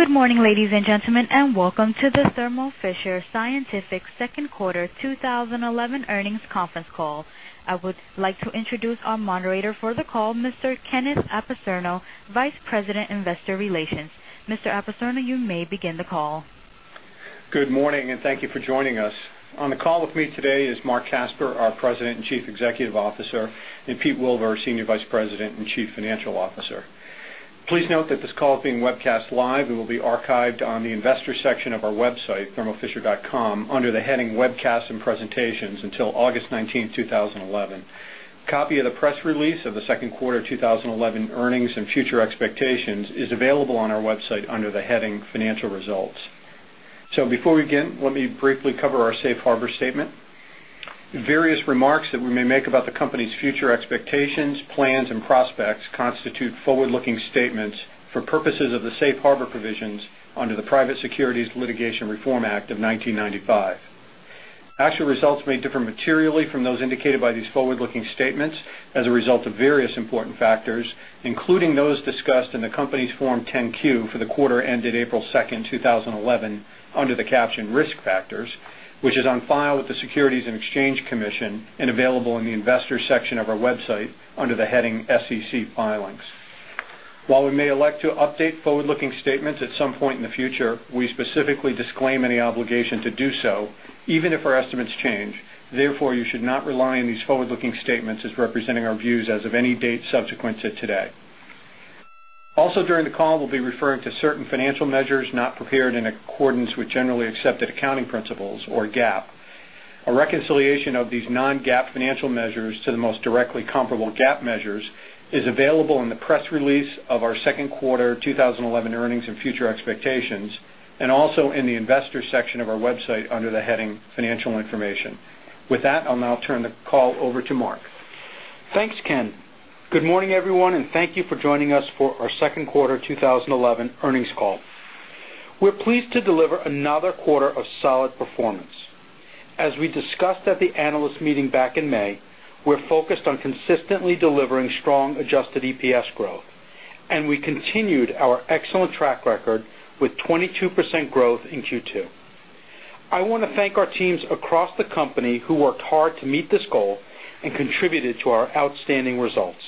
Good morning, ladies and gentlemen, and welcome to the Thermo Fisher Scientific Second Quarter 2011 Earnings Conference Call. I would like to introduce our moderator for the call, Mr. Kenneth Appisono, Vice President, Investor Relations. Mr. Appisono, you may begin the call. Good morning, and thank you for joining us. On the call with me today is Marc Casper, our President and Chief Executive Officer, and Peter Wilver, Senior Vice President and Chief Financial Officer. Please note that this call is being webcast live and will be archived on the Investors section of our website, thermofisher.com, under the heading "Webcasts and Presentations" until August 19th, 2011. A copy of the press release of the Second Quarter 2011 Earnings and Future Expectations is available on our website under the heading "Financial Results." Before we begin, let me briefly cover our Safe Harbor statement. Various remarks that we may make about the company's future expectations, plans, and prospects constitute forward-looking statements for purposes of the Safe Harbor provisions under the Private Securities Litigation Reform Act of 1995. Actual results may differ materially from those indicated by these forward-looking statements as a result of various important factors, including those discussed in the company's Form 10-Q for the quarter ended April 2nd, 2011, under the caption "Risk Factors," which is on file with the Securities and Exchange Commission and available in the Investors section of our website under the heading "SEC Filings." While we may elect to update forward-looking statements at some point in the future, we specifically disclaim any obligation to do so, even if our estimates change. Therefore, you should not rely on these forward-looking statements as representing our views as of any date subsequent to today. Also, during the call, we'll be referring to certain financial measures not prepared in accordance with generally accepted accounting principles, or GAAP. A reconciliation of these non-GAAP financial measures to the most directly comparable GAAP measures is available in the press release of our Second Quarter 2011 Earnings and Future Expectations and also in the Investors section of our website under the heading "Financial Information." With that, I'll now turn the call over to Marc. Thanks, Ken. Good morning, everyone, and thank you for joining us for our Second Quarter 2011 Earnings Call. We're pleased to deliver another quarter of solid performance. As we discussed at the analyst meeting back in May, we're focused on consistently delivering strong adjusted EPS growth, and we continued our excellent track record with 22% growth in Q2. I want to thank our teams across the company who worked hard to meet this goal and contributed to our outstanding results.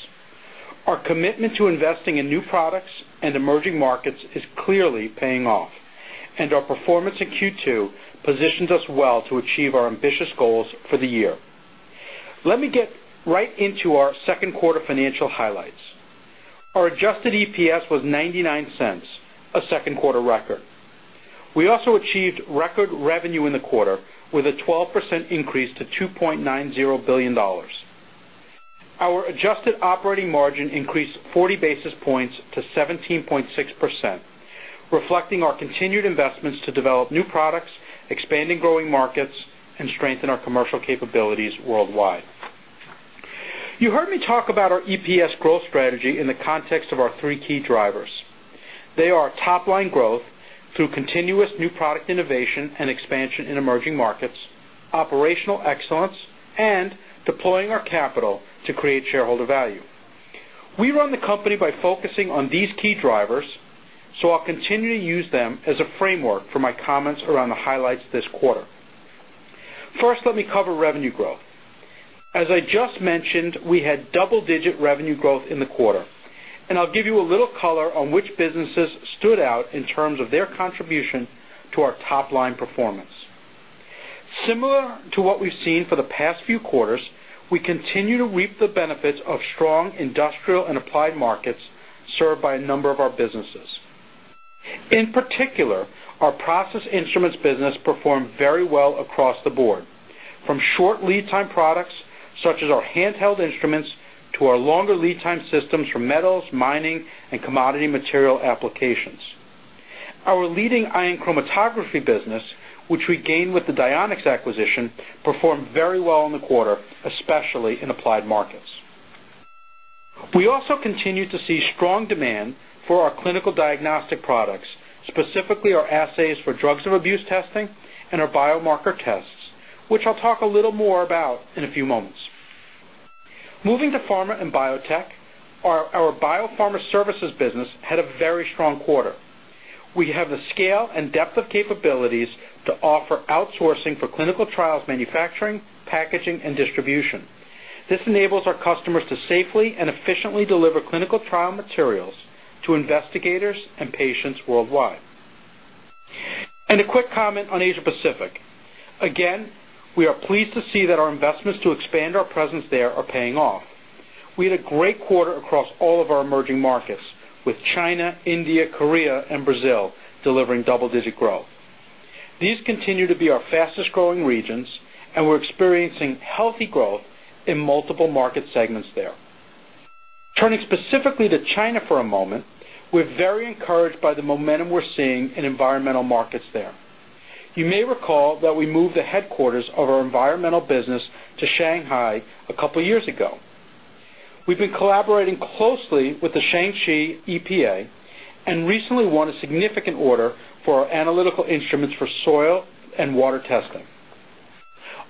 Our commitment to investing in new products and emerging markets is clearly paying off, and our performance in Q2 positions us well to achieve our ambitious goals for the year. Let me get right into our Second Quarter financial highlights. Our adjusted EPS was $0.99, a second quarter record. We also achieved record revenue in the quarter with a 12% increase to $2.90 billion. Our adjusted operating margin increased 40 basis points to 17.6%, reflecting our continued investments to develop new products, expand in growing markets, and strengthen our commercial capabilities worldwide. You heard me talk about our EPS growth strategy in the context of our three key drivers. They are top-line growth through continuous new product innovation and expansion in emerging markets, operational excellence, and deploying our capital to create shareholder value. We run the company by focusing on these key drivers, so I'll continue to use them as a framework for my comments around the highlights this quarter. First, let me cover revenue growth. As I just mentioned, we had double-digit revenue growth in the quarter, and I'll give you a little color on which businesses stood out in terms of their contribution to our top-line performance. Similar to what we've seen for the past few quarters, we continue to reap the benefits of strong industrial and applied markets served by a number of our businesses. In particular, our process instruments business performed very well across the board, from short lead-time products such as our handheld instruments to our longer lead-time systems for metals, mining, and commodity material applications. Our leading ion chromatography business, which we gained with the Dionex acquisition, performed very well in the quarter, especially in applied markets. We also continue to see strong demand for our clinical diagnostic products, specifically our assays for drugs and abuse testing and our biomarker tests, which I'll talk a little more about in a few moments. Moving to pharma and biotech, our biopharma services business had a very strong quarter. We have the scale and depth of capabilities to offer outsourcing for clinical trials manufacturing, packaging, and distribution. This enables our customers to safely and efficiently deliver clinical trial materials to investigators and patients worldwide. A quick comment on Asia Pacific. We are pleased to see that our investments to expand our presence there are paying off. We had a great quarter across all of our emerging markets, with China, India, Korea, and Brazil delivering double-digit growth. These continue to be our fastest growing regions, and we're experiencing healthy growth in multiple market segments there. Turning specifically to China for a moment, we're very encouraged by the momentum we're seeing in environmental markets there. You may recall that we moved the headquarters of our environmental business to Shanghai a couple of years ago. We've been collaborating closely with the Shang Shi EPA and recently won a significant order for our analytical instruments for soil and water testing.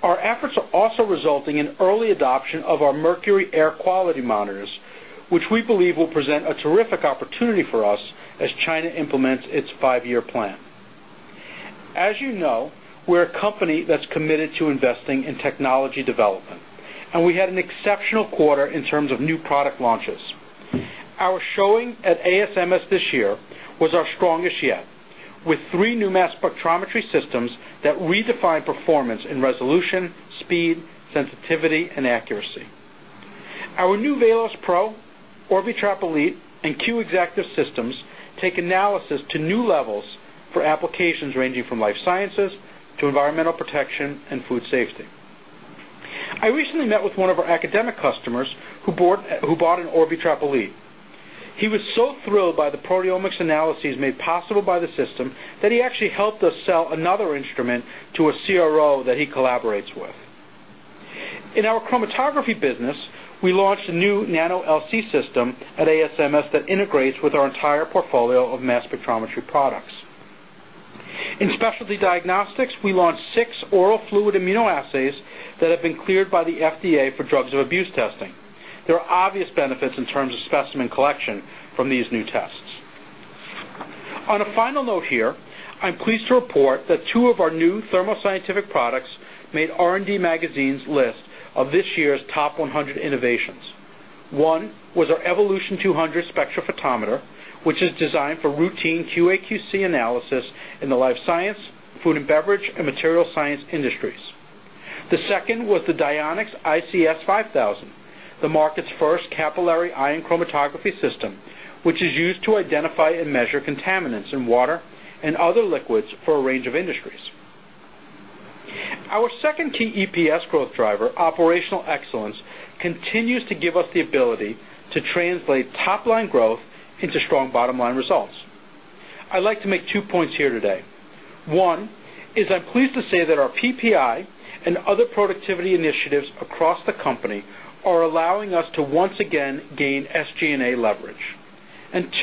Our efforts are also resulting in early adoption of our mercury air quality monitors, which we believe will present a terrific opportunity for us as China implements its five-year plan. As you know, we're a company that's committed to investing in technology development, and we had an exceptional quarter in terms of new product launches. Our showing at ASMS this year was our strongest yet, with three new mass spectrometry systems that redefined performance in resolution, speed, sensitivity, and accuracy. Our new VALOS Pro, Orbitrap Elite, and Q Exactive systems take analysis to new levels for applications ranging from life sciences to environmental protection and food safety. I recently met with one of our academic customers who bought an Orbitrap Elite. He was so thrilled by the proteomics analyses made possible by the system that he actually helped us sell another instrument to a CRO that he collaborates with. In our chromatography business, we launched a new nano-LC system at ASMS that integrates with our entire portfolio of mass spectrometry products. In specialty diagnostics, we launched six oral fluid immunoassays that have been cleared by the FDA for drugs of abuse testing. There are obvious benefits in terms of specimen collection from these new tests. On a final note here, I'm pleased to report that two of our new Thermo Scientific products made R&D Magazine's list of this year's top 100 innovations. One was our Evolution 200 Spectrophotometer, which is designed for routine QA/QC analysis in the life science, food and beverage, and material science industries. The second was the Dionex ICS-5000, the market's first capillary ion chromatography system, which is used to identify and measure contaminants in water and other liquids for a range of industries. Our second key EPS growth driver, operational excellence, continues to give us the ability to translate top-line growth into strong bottom-line results. I'd like to make two points here today. One is I'm pleased to say that our PPI and other productivity initiatives across the company are allowing us to once again gain SG&A leverage.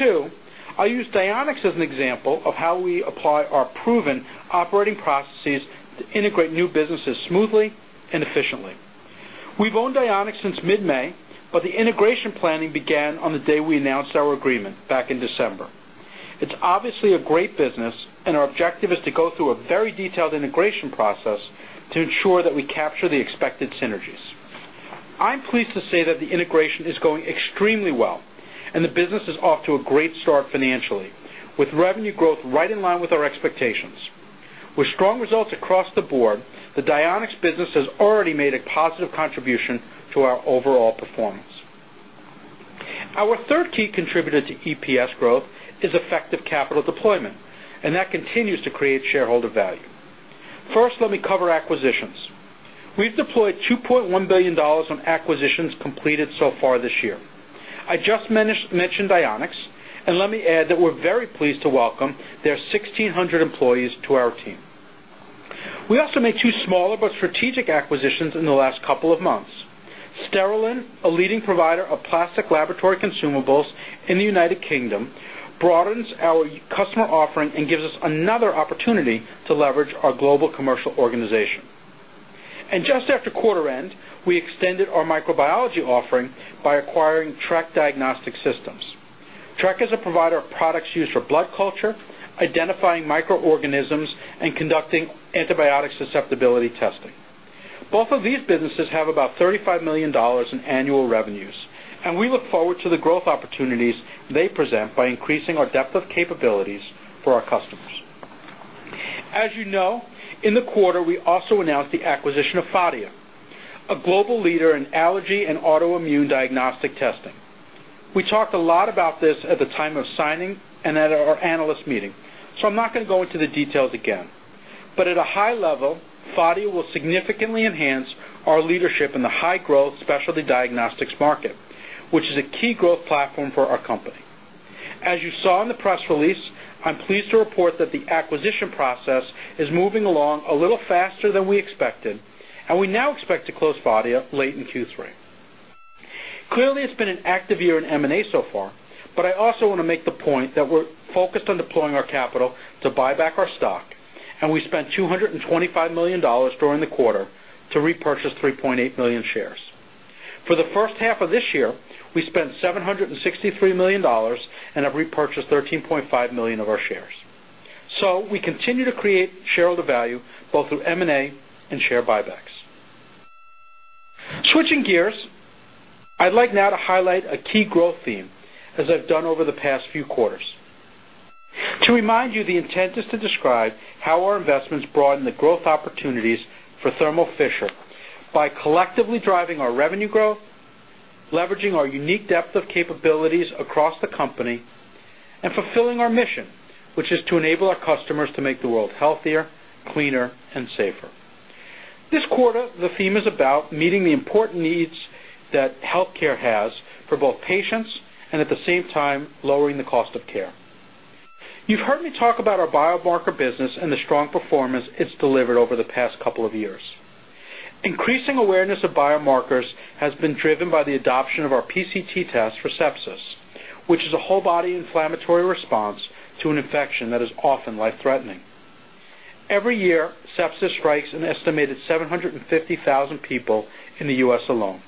Two, I'll use Dionex as an example of how we apply our proven operating processes to integrate new businesses smoothly and efficiently. We've owned Dionex since mid-May, but the integration planning began on the day we announced our agreement back in December. It's obviously a great business, and our objective is to go through a very detailed integration process to ensure that we capture the expected synergies. I'm pleased to say that the integration is going extremely well, and the business is off to a great start financially, with revenue growth right in line with our expectations. With strong results across the board, the Dionex business has already made a positive contribution to our overall performance. Our third key contributor to EPS growth is effective capital deployment, and that continues to create shareholder value. First, let me cover acquisitions. We've deployed $2.1 billion on acquisitions completed so far this year. I just mentioned Dionex, and let me add that we're very pleased to welcome their 1,600 employees to our team. We also made two smaller but strategic acquisitions in the last couple of months. Sterilin, a leading provider of plastic laboratory consumables in the United Kingdom, broadens our customer offering and gives us another opportunity to leverage our global commercial organization. Just after quarter end, we extended our microbiology offering by acquiring TREK Diagnostic Systems. TREK is a provider of products used for blood culture, identifying microorganisms, and conducting antibiotic susceptibility testing. Both of these businesses have about $35 million in annual revenues, and we look forward to the growth opportunities they present by increasing our depth of capabilities for our customers. As you know, in the quarter, we also announced the acquisition of Phadia, a global leader in allergy and autoimmune diagnostic testing. We talked a lot about this at the time of signing and at our analyst meeting, so I'm not going to go into the details again. At a high level, Phadia will significantly enhance our leadership in the high-growth specialty diagnostics market, which is a key growth platform for our company. As you saw in the press release, I'm pleased to report that the acquisition process is moving along a little faster than we expected, and we now expect to close Phadia late in Q3. Clearly, it's been an active year in M&A so far. I also want to make the point that we're focused on deploying our capital to buy back our stock, and we spent $225 million during the quarter to repurchase $3.8 million shares. For the first half of this year, we spent $763 million and have repurchased $13.5 million of our shares. We continue to create shareholder value both through M&A and share buybacks. Switching gears, I'd like now to highlight a key growth theme, as I've done over the past few quarters. To remind you, the intent is to describe how our investments broaden the growth opportunities for Thermo Fisher Scientific by collectively driving our revenue growth, leveraging our unique depth of capabilities across the company, and fulfilling our mission, which is to enable our customers to make the world healthier, cleaner, and safer. This quarter, the theme is about meeting the important needs that health care has for both patients and, at the same time, lowering the cost of care. You've heard me talk about our biomarker business and the strong performance it's delivered over the past couple of years. Increasing awareness of biomarkers has been driven by the adoption of our PCT tests for sepsis, which is a whole-body inflammatory response to an infection that is often life-threatening. Every year, sepsis strikes an estimated 750,000 people in the U.S., alone,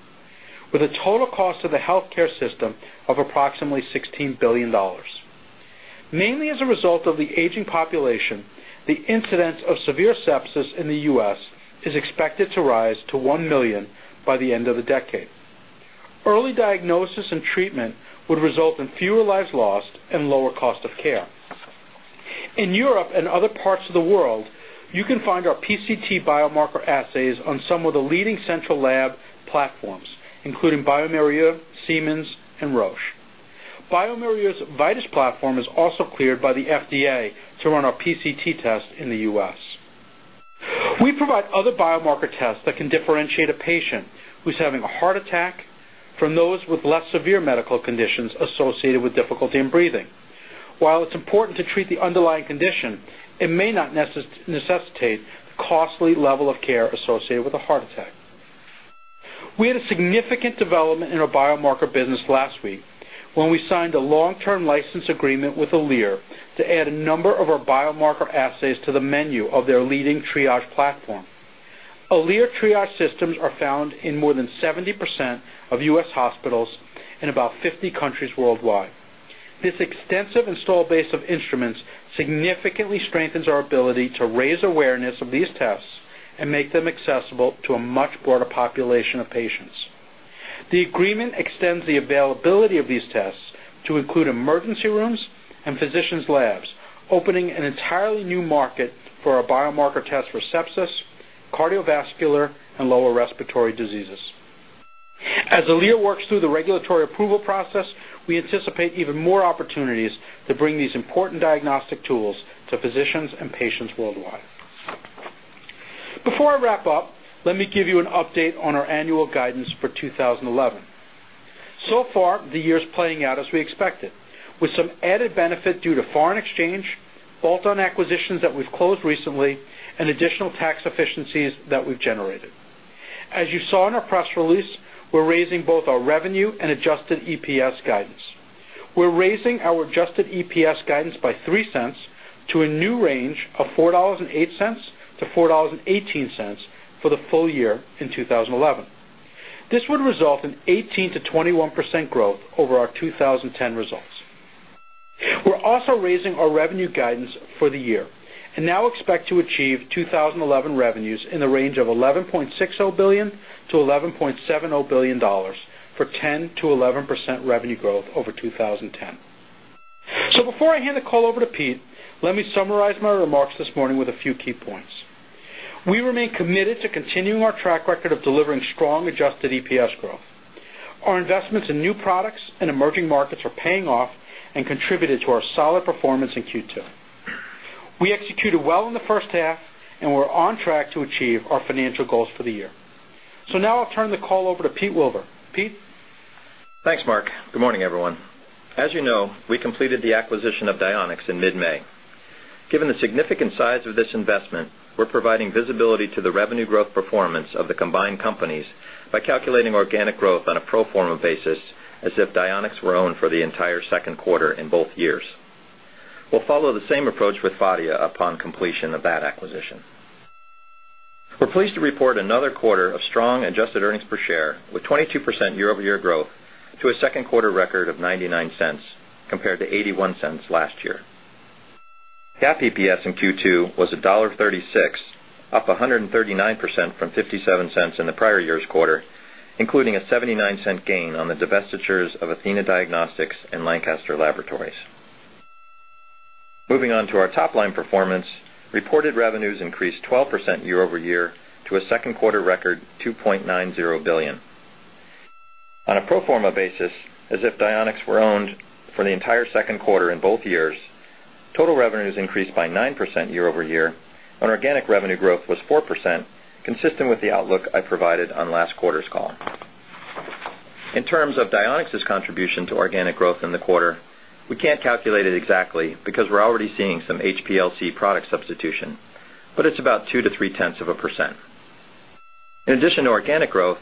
with a total cost to the health care system of approximately $16 billion. Mainly as a result of the aging population, the incidence of severe sepsis in the U.S., is expected to rise to 1 million by the end of the decade. Early diagnosis and treatment would result in fewer lives lost and lower cost of care. In Europe and other parts of the world, you can find our PCT biomarker assays on some of the leading central lab platforms, including bioMérieux, Siemens, and Roche. bioMérieux's VITIS platform is also cleared by the FDA to run our PCT tests in the U.S. We provide other biomarker tests that can differentiate a patient who's having a heart attack from those with less severe medical conditions associated with difficulty in breathing. While it's important to treat the underlying condition, it may not necessitate the costly level of care associated with a heart attack. We had a significant development in our biomarker business last week when we signed a long-term license agreement with Alere to add a number of our biomarker assays to the menu of their leading triage platform. Alere triage systems are found in more than 70% of U.S., hospitals in about 50 countries worldwide. This extensive install base of instruments significantly strengthens our ability to raise awareness of these tests and make them accessible to a much broader population of patients. The agreement extends the availability of these tests to include emergency rooms and physicians' labs, opening an entirely new market for our biomarker tests for sepsis, cardiovascular, and lower respiratory diseases. As Alere works through the regulatory approval process, we anticipate even more opportunities to bring these important diagnostic tools to physicians and patients worldwide. Before I wrap up, let me give you an update on our annual guidance for 2011. So far, the year's playing out as we expected, with some added benefit due to foreign exchange, bolt-on acquisitions that we've closed recently, and additional tax efficiencies that we've generated. As you saw in our press release, we're raising both our revenue and adjusted EPS guidance. We're raising our adjusted EPS guidance by $0.03 to a new range of $4.08-$4.18 for the full year in 2011. This would result in 18%-21% growth over our 2010 results. We're also raising our revenue guidance for the year and now expect to achieve 2011 revenues in the range of $11.60 billion-$11.70 billion for 10%-11% revenue growth over 2010. Before I hand the call over to Pete, let me summarize my remarks this morning with a few key points. We remain committed to continuing our track record of delivering strong adjusted EPS growth. Our investments in new products and emerging markets are paying off and contributed to our solid performance in Q2. We executed well in the first half and were on track to achieve our financial goals for the year. I will now turn the call over to Peter Wilver. Pete. Thanks, Marc. Good morning, everyone. As you know, we completed the acquisition of Dionex in mid-May. Given the significant size of this investment, we're providing visibility to the revenue growth performance of the combined companies by calculating organic growth on a pro forma basis, as if Dionex were owned for the entire second quarter in both years. We'll follow the same approach with Phadia upon completion of that acquisition. We're pleased to report another quarter of strong adjusted earnings per share, with 22% year-over-year growth to a second quarter record of $0.99 compared to $0.81 last year. The adjusted EPS in Q2 was $1.36, up 139% from $0.57 in the prior year's quarter, including a $0.79 gain on the divestitures of Athena Diagnostics and Lancaster Laboratories. Moving on to our top-line performance, reported revenues increased 12% year-over-year to a second quarter record $2.90 billion. On a pro forma basis, as if Dionex were owned for the entire second quarter in both years, total revenues increased by 9% year-over-year, and organic revenue growth was 4%, consistent with the outlook I provided on last quarter's call. In terms of Dionex's contribution to organic growth in the quarter, we can't calculate it exactly because we're already seeing some HPLC product substitution, but it's about 0.2%-0.3%. In addition to organic growth,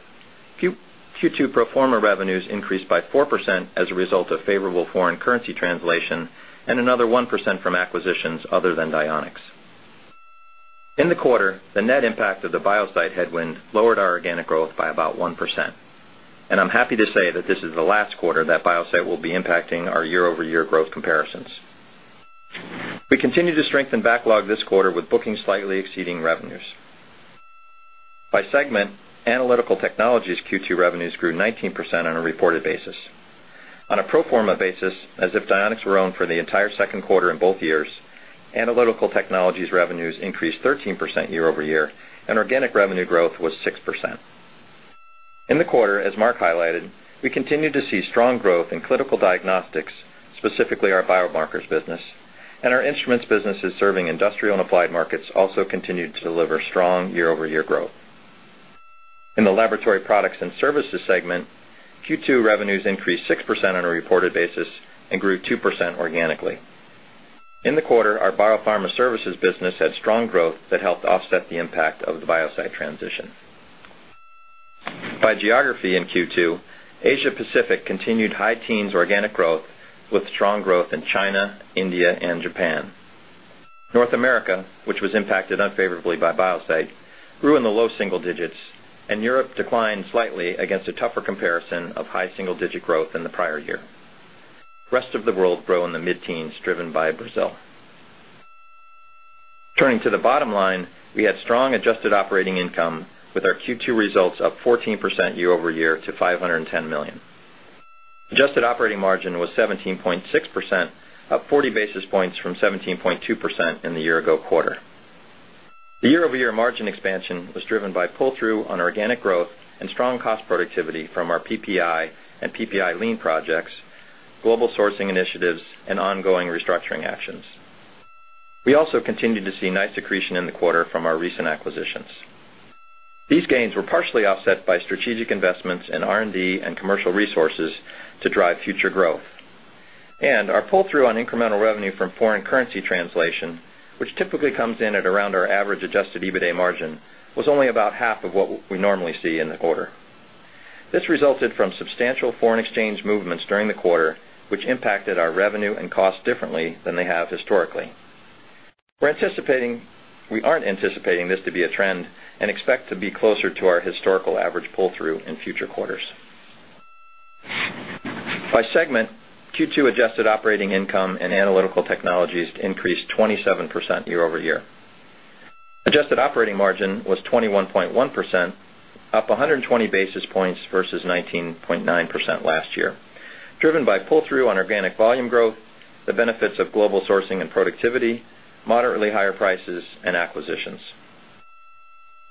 Q2 pro forma revenues increased by 4% as a result of favorable foreign currency translation and another 1% from acquisitions other than Dionex. In the quarter, the net impact of the BioSite headwind lowered our organic growth by about 1%, and I'm happy to say that this is the last quarter that BioSite will be impacting our year-over-year growth comparisons. We continue to strengthen backlog this quarter with bookings slightly exceeding revenues. By segment, Analytical Technologies' Q2 revenues grew 19% on a reported basis. On a pro forma basis, as if Dionex were owned for the entire second quarter in both years, Analytical Technologies' revenues increased 13% year-over-year, and organic revenue growth was 6%. In the quarter, as Marc highlighted, we continue to see strong growth in clinical diagnostics, specifically our biomarker assays business, and our instruments businesses serving industrial and applied markets also continued to deliver strong year-over-year growth. In the laboratory products and services segment, Q2 revenues increased 6% on a reported basis and grew 2% organically. In the quarter, our biopharma services business had strong growth that helped offset the impact of the BioSite transition. By geography in Q2, Asia Pacific continued high teens organic growth, with strong growth in China, India, and Japan. North America, which was impacted unfavorably by BioSite, grew in the low single digits, and Europe declined slightly against a tougher comparison of high single-digit growth in the prior year. The rest of the world grew in the mid-teens, driven by Brazil. Turning to the bottom line, we had strong adjusted operating income, with our Q2 results up 14% year-over-year to $510 million. Adjusted operating margin was 17.6%, up 40 basis points from 17.2% in the year-ago quarter. The year-over-year margin expansion was driven by pull-through on organic growth and strong cost productivity from our PPI and PPI lean projects, global sourcing initiatives, and ongoing restructuring actions. We also continued to see nice accretion in the quarter from our recent acquisitions. These gains were partially offset by strategic investments in R&D and commercial resources to drive future growth. Our pull-through on incremental revenue from foreign currency translation, which typically comes in at around our average adjusted EBITDA margin, was only about half of what we normally see in the quarter. This resulted from substantial foreign exchange movements during the quarter, which impacted our revenue and costs differently than they have historically. We aren't anticipating this to be a trend and expect to be closer to our historical average pull-through in future quarters. By segment, Q2 adjusted operating income in analytical technologies increased 27% year-over-year. Adjusted operating margin was 21.1%, up 120 basis points versus 19.9% last year, driven by pull-through on organic volume growth, the benefits of global sourcing and productivity, moderately higher prices, and acquisitions.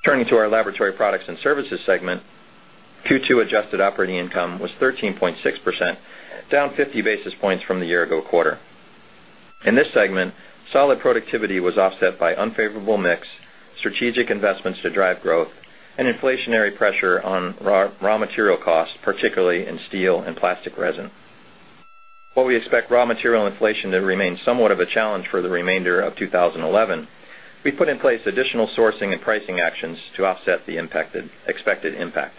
Turning to our laboratory products and services segment, Q2 adjusted operating income margin was 13.6%, down 50 basis points from the year-ago quarter. In this segment, solid productivity was offset by unfavorable mix, strategic investments to drive growth, and inflationary pressure on raw material costs, particularly in steel and plastic resin. While we expect raw material inflation to remain somewhat of a challenge for the remainder of 2011, we put in place additional sourcing and pricing actions to offset the expected impact.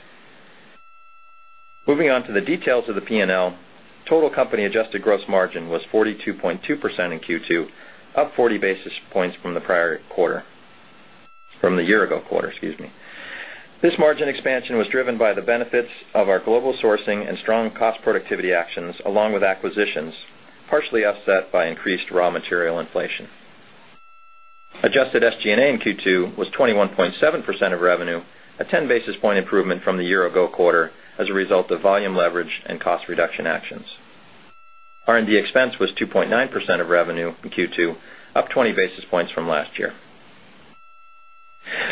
Moving on to the details of the P&L, total company adjusted gross margin was 42.2% in Q2, up 40 basis points from the year-ago quarter, excuse me. This margin expansion was driven by the benefits of our global sourcing and strong cost productivity actions, along with acquisitions, partially offset by increased raw material inflation. Adjusted SG&A in Q2 was 21.7% of revenue, a 10 basis point improvement from the year-ago quarter as a result of volume leverage and cost reduction actions. R&D expense was 2.9% of revenue in Q2, up 20 basis points from last year.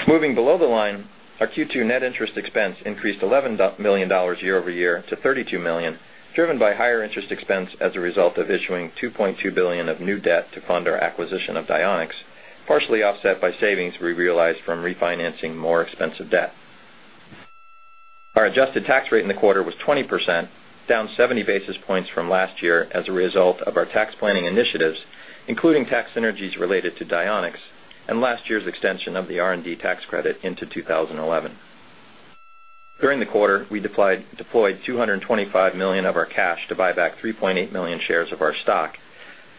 Moving below the line, our Q2 net interest expense increased $11 million year-over-year to $32 million, driven by higher interest expense as a result of issuing $2.2 billion of new debt to fund our acquisition of Dionex, partially offset by savings we realized from refinancing more expensive debt. Our adjusted tax rate in the quarter was 20%, down 70 basis points from last year as a result of our tax planning initiatives, including tax synergies related to Dionex, and last year's extension of the R&D tax credit into 2011. During the quarter, we deployed $225 million of our cash to buy back $3.8 million shares of our stock,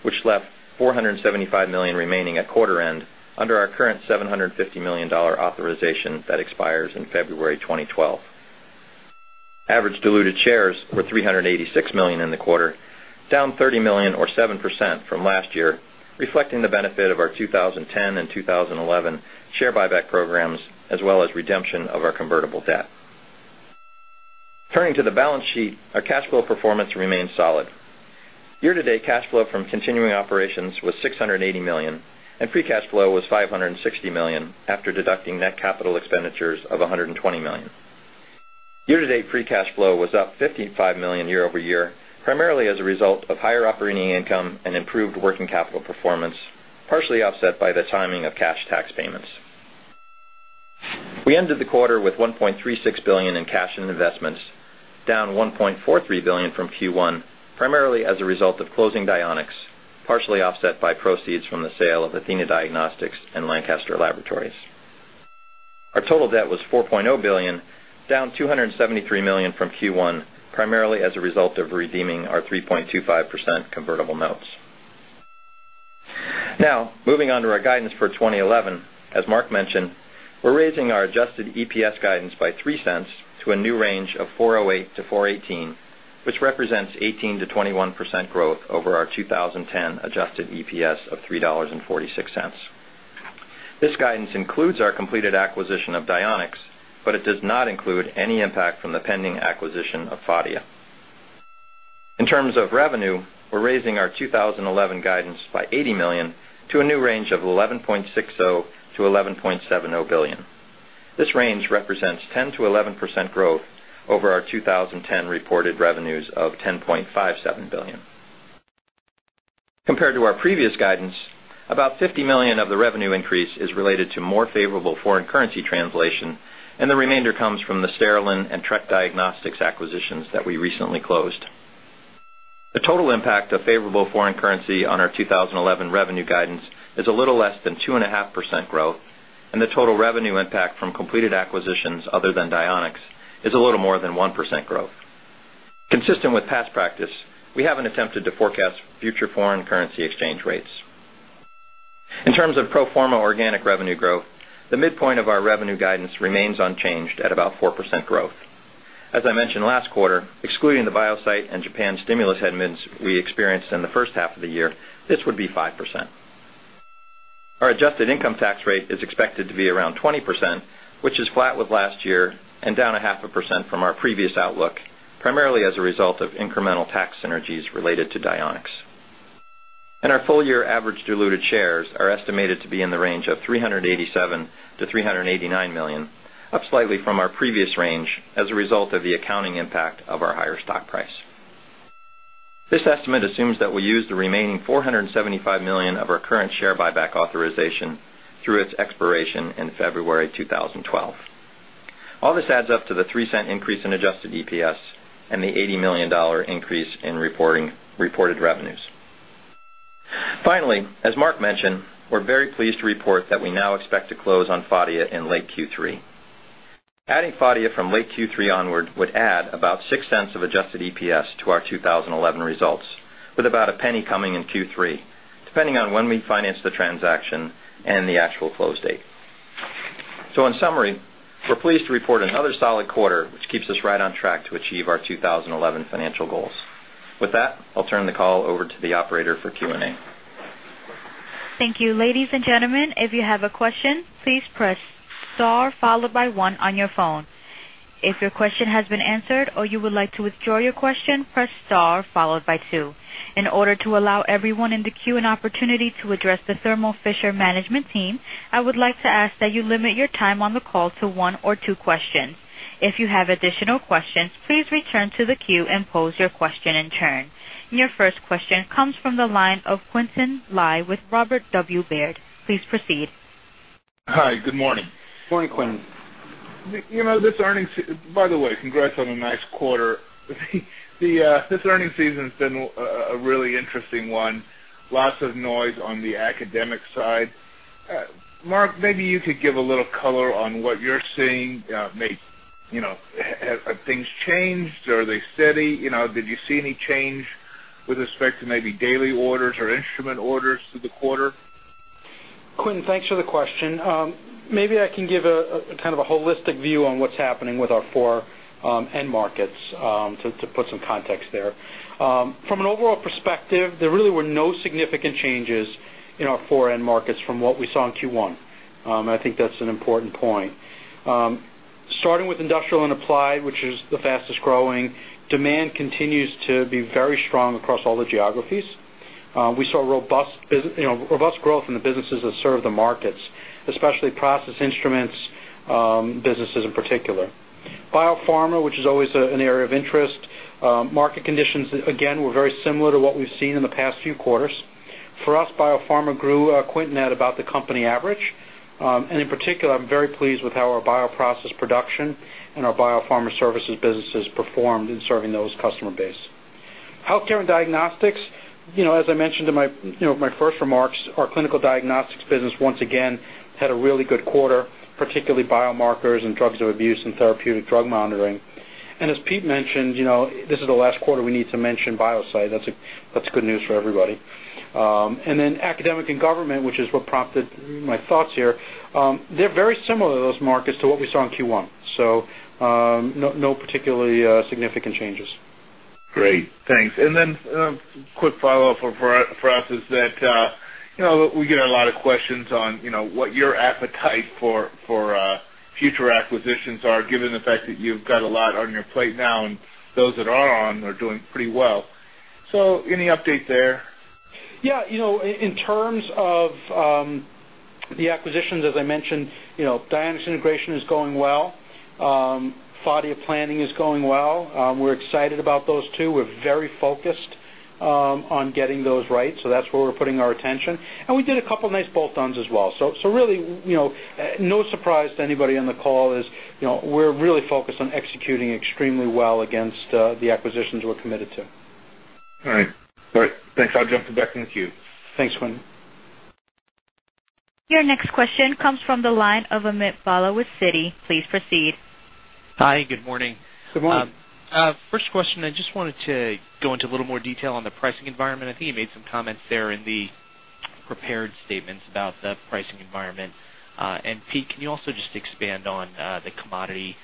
which left $475 million remaining at quarter end under our current $750 million authorization that expires in February 2012. Average diluted shares were $386 million in the quarter, down $30 million or 7% from last year, reflecting the benefit of our 2010 and 2011 share buyback programs, as well as redemption of our convertible debt. Turning to the balance sheet, our cash flow performance remains solid. Year-to-date cash flow from continuing operations was $680 million, and free cash flow was $560 million after deducting net capital expenditures of $120 million. Year-to-date free cash flow was up $55 million year-over-year, primarily as a result of higher operating income and improved working capital performance, partially offset by the timing of cash tax payments. We ended the quarter with $1.36 billion in cash and investments, down $1.43 billion from Q1, primarily as a result of closing Dionex, partially offset by proceeds from the sale of Athena Diagnostics and Lancaster Laboratories. Our total debt was $4.0 billion, down $273 million from Q1, primarily as a result of redeeming our 3.25% convertible notes. Now, moving on to our guidance for 2011, as Marc mentioned, we're raising our adjusted EPS guidance by $0.03 to a new range of $4.08-$4.18, which represents 18%-21% growth over our 2010 adjusted EPS of $3.46. This guidance includes our completed acquisition of Dionex, but it does not include any impact from the pending acquisition of Phadia. In terms of revenue, we're raising our 2011 guidance by $80 million to a new range of $11.60 billion-$11.70 billion. This range represents 10%-11% growth over our 2010 reported revenues of $10.57 billion. Compared to our previous guidance, about $50 million of the revenue increase is related to more favorable foreign currency translation, and the remainder comes from the Sterilin and TREK Diagnostic Systems acquisitions that we recently closed. The total impact of favorable foreign currency on our 2011 revenue guidance is a little less than 2.5% growth, and the total revenue impact from completed acquisitions other than Dionex is a little more than 1% growth. Consistent with past practice, we haven't attempted to forecast future foreign currency exchange rates. In terms of pro forma organic revenue growth, the midpoint of our revenue guidance remains unchanged at about 4% growth. As I mentioned last quarter, excluding the BioSite and Japan stimulus headwinds we experienced in the first half of the year, this would be 5%. Our adjusted income tax rate is expected to be around 20%, which is flat with last year and down 0.5% from our previous outlook, primarily as a result of incremental tax synergies related to Dionex. Our full-year average diluted shares are estimated to be in the range of $387 million-$389 million, up slightly from our previous range as a result of the accounting impact of our higher stock price. This estimate assumes that we'll use the remaining $475 million of our current share buyback authorization through its expiration in February 2012. All this adds up to the $0.03 increase in adjusted EPS and the $80 million increase in reported revenues. Finally, as Marc mentioned, we're very pleased to report that we now expect to close on Phadia in late Q3. Adding Phadia from late Q3 onward would add about $0.06 of adjusted EPS to our 2011 results, with about a penny coming in Q3, depending on when we finance the transaction and the actual close date. In summary, we're pleased to report another solid quarter, which keeps us right on track to achieve our 2011 financial goals. With that, I'll turn the call over to the operator for Q&A. Thank you, ladies and gentlemen. If you have a question, please press Star followed by one on your phone. If your question has been answered or you would like to withdraw your question, press Star followed by two. In order to allow everyone in the queue an opportunity to address the Thermo Fisher Scientific Management team, I would like to ask that you limit your time on the call to one or two questions. If you have additional questions, please return to the queue and pose your question in turn. Your first question comes from the line of Quintin Lai with Robert W. Baird. Please proceed. Hi, good morning. Morning, Quintin. You know, this earnings, by the way, congrats on a nice quarter. This earnings season has been a really interesting one. Lots of noise on the academic side. Marc, maybe you could give a little color on what you're seeing. You know, have things changed? Are they steady? Did you see any change with respect to maybe daily orders or instrument orders through the quarter? Quintin, thanks for the question. Maybe I can give a kind of a holistic view on what's happening with our foreign markets to put some context there. From an overall perspective, there really were no significant changes in our foreign markets from what we saw in Q1. I think that's an important point. Starting with industrial and applied, which is the fastest growing, demand continues to be very strong across all the geographies. We saw robust growth in the businesses that serve the markets, especially process instruments businesses in particular. Biopharma, which is always an area of interest, market conditions again were very similar to what we've seen in the past few quarters. For us, biopharma grew, Quintin, at about the company average. In particular, I'm very pleased with how our bioprocess production and our biopharma services businesses performed in serving those customer bases. Health care and diagnostics, you know, as I mentioned in my first remarks, our clinical diagnostics business once again had a really good quarter, particularly biomarkers and drugs of abuse and therapeutic drug monitoring. As Pete mentioned, you know, this is the last quarter we need to mention BioSite. That's good news for everybody. Academic and government, which is what prompted my thoughts here, they're very similar to those markets to what we saw in Q1. No particularly significant changes. Great, thanks. A quick follow-up for us is that we get a lot of questions on what your appetite for future acquisitions are, given the fact that you've got a lot on your plate now, and those that are on are doing pretty well. Any update there? Yeah, you know, in terms of the acquisitions, as I mentioned, you know, Dionex integration is going well. Phadia planning is going well. We're excited about those two. We're very focused on getting those right. That's where we're putting our attention. We did a couple of nice bolt-ons as well. Really, you know, no surprise to anybody on the call is, you know, we're really focused on executing extremely well against the acquisitions we're committed to. All right, thanks. I'll jump back in the queue. Thanks, Quintin. Your next question comes from the line of Amit Bhalla with Citi. Please proceed. Hi, good morning. Good morning. First question, I just wanted to go into a little more detail on the pricing environment. I think you made some comments there in the prepared statements about the pricing environment. Pete, can you also just expand on the commodity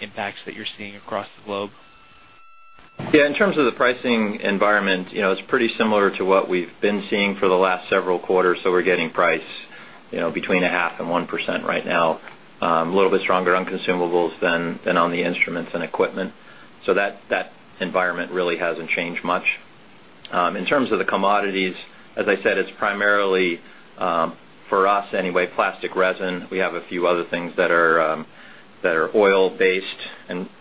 impacts that you're seeing across the globe? Yeah, in terms of the pricing environment, you know, it's pretty similar to what we've been seeing for the last several quarters. We're getting priced, you know, between 0.5% and 1% right now, a little bit stronger on consumables than on the instruments and equipment. That environment really hasn't changed much. In terms of the commodities, as I said, it's primarily for us anyway, plastic resin. We have a few other things that are oil-based.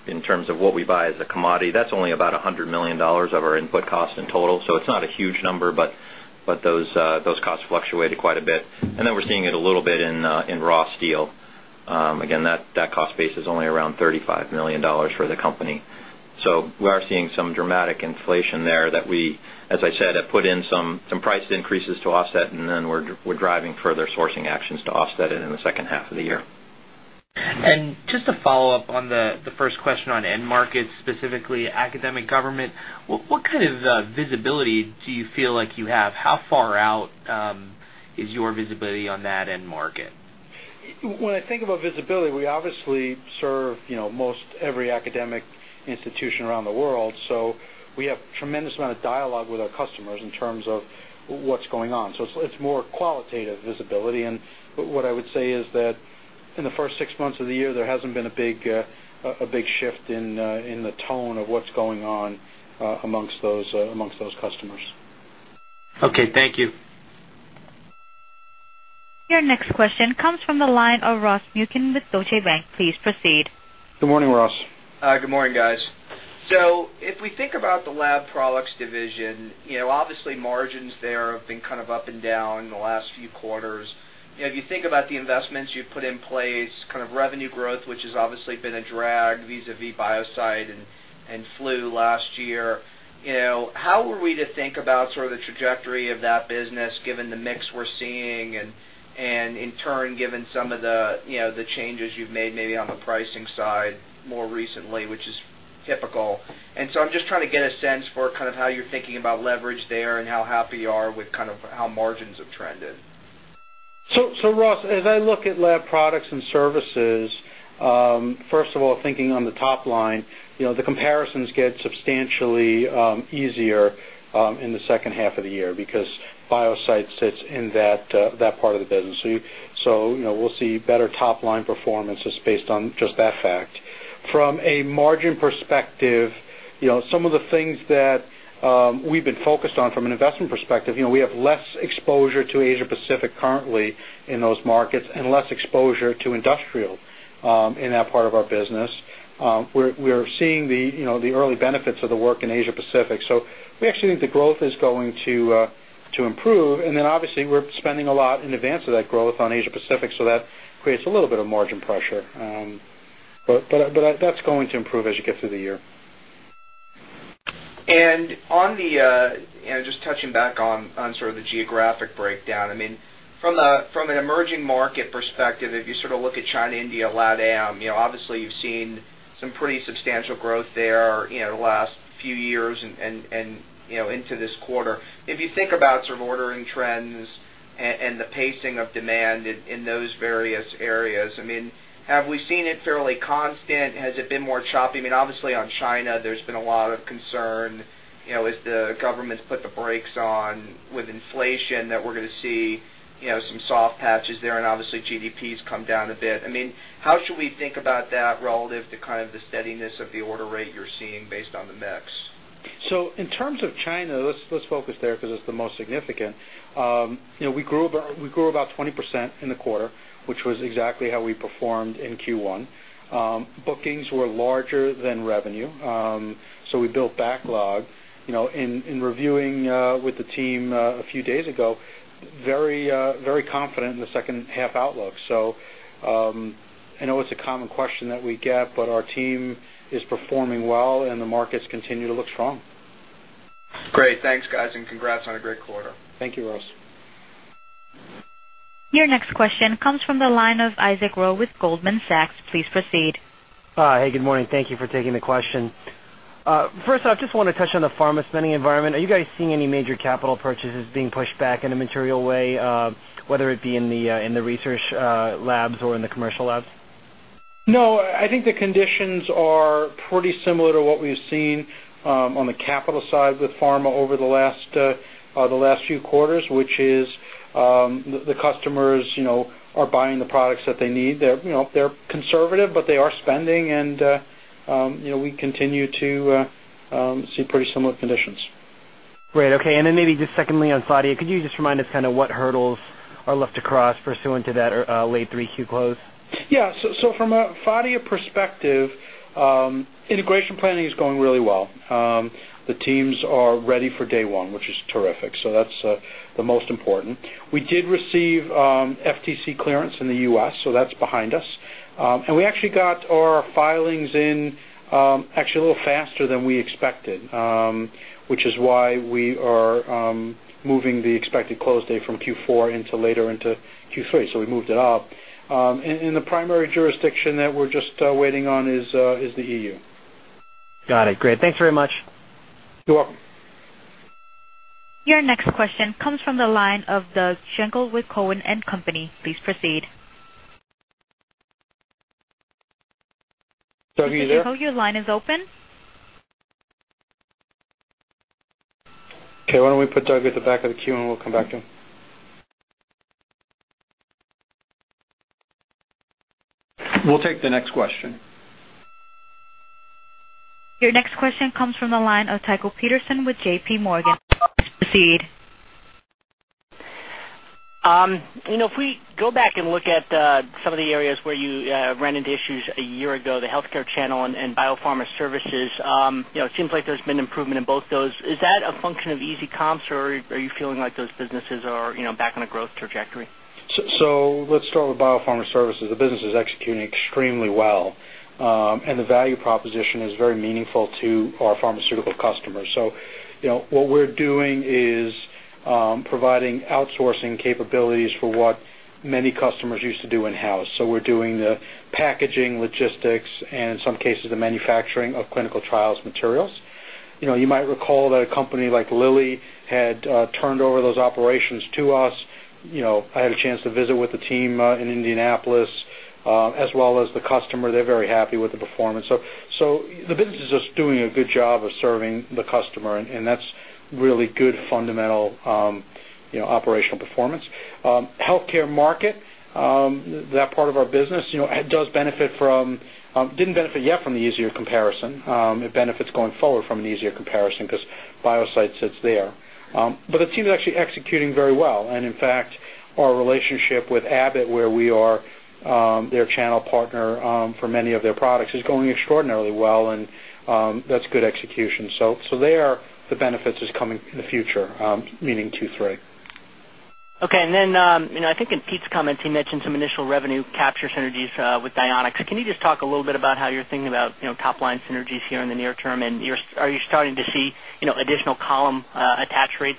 In terms of what we buy as a commodity, that's only about $100 million of our input costs in total. It's not a huge number, but those costs fluctuated quite a bit. We're seeing it a little bit in raw steel. Again, that cost base is only around $35 million for the company. We are seeing some dramatic inflation there that we, as I said, have put in some price increases to offset, and we're driving further sourcing actions to offset it in the second half of the year. To follow up on the first question on end markets, specifically academic government, what kind of visibility do you feel like you have? How far out is your visibility on that end market? When I think about visibility, we obviously serve most every academic institution around the world. We have a tremendous amount of dialogue with our customers in terms of what's going on. It's more qualitative visibility. What I would say is that in the first six months of the year, there hasn't been a big shift in the tone of what's going on amongst those customers. Okay, thank you. Your next question comes from the line of Ross Mucken with Deutsche Bank. Please proceed. Good morning, Ross. Good morning, guys. If we think about the lab products division, obviously margins there have been kind of up and down in the last few quarters. If you think about the investments you've put in place, kind of revenue growth, which has obviously been a drag vis-à-vis BioSite and Flu last year, how are we to think about sort of the trajectory of that business given the mix we're seeing and, in turn, given some of the changes you've made maybe on the pricing side more recently, which is typical? I'm just trying to get a sense for kind of how you're thinking about leverage there and how happy you are with kind of how margins have trended. So Ross as I look at lab products and services, first of all, thinking on the top line, the comparisons get substantially easier in the second half of the year because BioSite sits in that part of the business. We'll see better top-line performance just based on that fact. From a margin perspective, some of the things that we've been focused on from an investment perspective, we have less exposure to Asia Pacific currently in those markets and less exposure to industrial in that part of our business. We're seeing the early benefits of the work in Asia Pacific. We actually think the growth is going to improve. Obviously, we're spending a lot in advance of that growth on Asia Pacific, so that creates a little bit of margin pressure. That's going to improve as you get through the year. Just touching back on the geographic breakdown, from an emerging market perspective, if you look at China, India, LATAM, obviously you've seen some pretty substantial growth there the last few years and into this quarter. If you think about ordering trends and the pacing of demand in those various areas, have we seen it fairly constant? Has it been more choppy? Obviously on China, there's been a lot of concern as the governments put the brakes on with inflation that we're going to see some soft patches there and GDPs come down a bit. How should we think about that relative to the steadiness of the order rate you're seeing based on the mix? In terms of China, let's focus there because it's the most significant. We grew about 20% in the quarter, which was exactly how we performed in Q1. Bookings were larger than revenue, so we built backlog. In reviewing with the team a few days ago, very, very confident in the second half outlook. I know it's a common question that we get, but our team is performing well and the markets continue to look strong. Great, thanks, guys, and congrats on a great quarter. Thank you, Ross. Your next question comes from the line of Isaac Rowe with Goldman Sachs. Please proceed. Hi, good morning. Thank you for taking the question. First off, I just want to touch on the pharma spending environment. Are you guys seeing any major capital purchases being pushed back in a material way, whether it be in the research labs or in the commercial labs? No, I think the conditions are pretty similar to what we've seen on the capital side with pharma over the last few quarters, which is the customers are buying the products that they need. They're conservative, but they are spending, and we continue to see pretty similar conditions. Great, okay. Maybe just secondly on Phadia, could you just remind us kind of what hurdles are left to cross pursuant to that late Q3 close? Yeah, from a Phadia perspective, integration planning is going really well. The teams are ready for day one, which is terrific. That's the most important. We did receive FTC clearance in the U.S., so that's behind us. We actually got our filings in a little faster than we expected, which is why we are moving the expected close date from Q4 into later into Q3. We moved it up. The primary jurisdiction that we're just waiting on is the E.U. Got it. Great, thanks very much. You're welcome. Your next question comes from the line of Doug Schenkel with Cowen & Company. Please proceed. Doug, are you there? Doug, your line is open. Okay, why don't we put Doug at the back of the queue and we'll come back to him? We'll take the next question. Your next question comes from the line of Tycho Peterson with JP Morgan. Please proceed. If we go back and look at some of the areas where you ran into issues a year ago, the healthcare channel and biopharma services, it seems like there's been improvement in both those. Is that a function of easy comps or are you feeling like those businesses are back on a growth trajectory? Let's start with biopharma services. The business is executing extremely well, and the value proposition is very meaningful to our pharmaceutical customers. What we're doing is providing outsourcing capabilities for what many customers used to do in-house. We're doing the packaging, logistics, and in some cases, the manufacturing of clinical trials materials. You might recall that a company like Lilly had turned over those operations to us. I had a chance to visit with the team in Indianapolis, as well as the customer. They're very happy with the performance. The business is just doing a good job of serving the customer, and that's really good fundamental operational performance. Healthcare market, that part of our business does benefit from, didn't benefit yet from the easier comparison. It benefits going forward from an easier comparison because BioSite sits there. The team is actually executing very well. In fact, our relationship with Abbott, where we are their channel partner for many of their products, is going extraordinarily well, and that's good execution. The benefits are coming in the future, meaning Q3. Okay, I think in Pete's comments, he mentioned some initial revenue capture synergies with Dionex. Can you just talk a little bit about how you're thinking about top-line synergies here in the near term? Are you starting to see additional column attach rates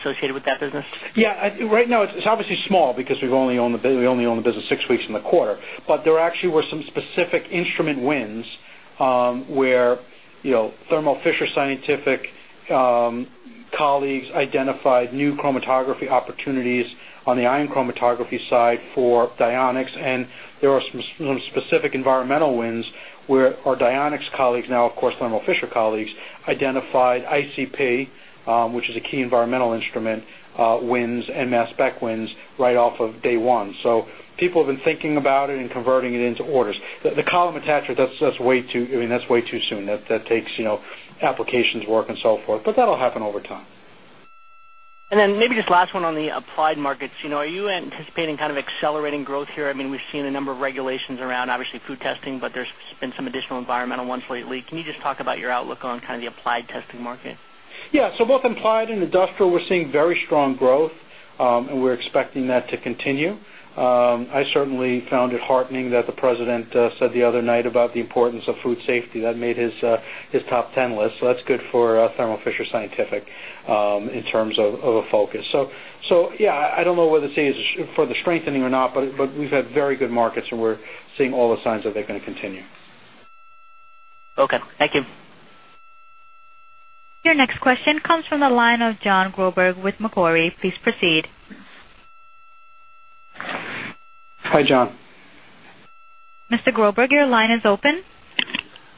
associated with that business? Yeah, right now it's obviously small because we've only owned the business six weeks in the quarter. There actually were some specific instrument wins where, you know, Thermo Fisher Scientific colleagues identified new chromatography opportunities on the ion chromatography side for Dionex. There are some specific environmental wins where our Dionex colleagues, now of course Thermo Fisher colleagues, identified ICP, which is a key environmental instrument, wins and mass spec wins right off of day one. People have been thinking about it and converting it into orders. The column attach rate, that's way too, I mean, that's way too soon. That takes, you know, applications work and so forth. That'll happen over time. Maybe just last one on the applied markets. Are you anticipating kind of accelerating growth here? We've seen a number of regulations around obviously food testing, but there's been some additional environmental ones lately. Can you just talk about your outlook on kind of the applied testing market? Yeah, both applied and industrial, we're seeing very strong growth, and we're expecting that to continue. I certainly found it heartening that the President said the other night about the importance of food safety. That made his top 10 list. That's good for Thermo Fisher Scientific in terms of a focus. I don't know whether this is for the strengthening or not, but we've had very good markets and we're seeing all the signs that they're going to continue. Okay, thank you. Your next question comes from the line of Jon Groberg with Macquarie. Please proceed. Hi, Jon Mr. Groberg, your line is open.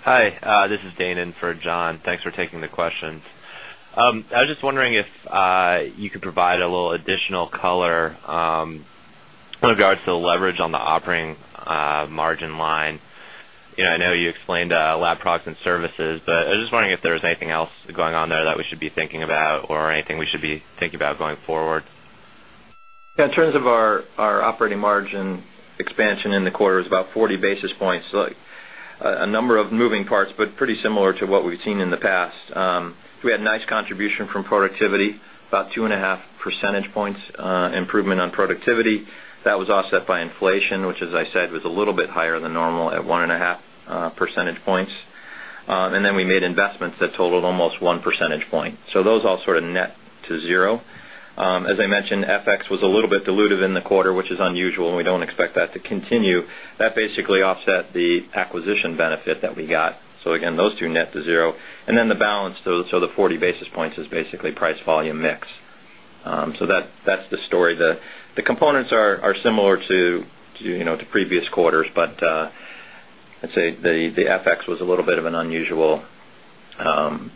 Hi, this is Damian for Jon. Thanks for taking the questions. I was just wondering if you could provide a little additional color in regards to the leverage on the operating margin line. I know you explained lab products and services, but I was just wondering if there was anything else going on there that we should be thinking about or anything we should be thinking about going forward. In terms of our operating margin expansion in the quarter, it is about 40 basis points. A number of moving parts, but pretty similar to what we've seen in the past. We had a nice contribution from productivity, about 2.5% points improvement on productivity. That was offset by inflation, which, as I said, was a little bit higher than normal at 1.5% points. We made investments that totaled almost 1% point. Those all sort of net to zero. As I mentioned, FX was a little bit diluted in the quarter, which is unusual, and we don't expect that to continue. That basically offset the acquisition benefit that we got. Those two net to zero. The balance, so the 40 basis points, is basically price volume mix. That's the story. The components are similar to the previous quarters, but I'd say the FX was a little bit of an unusual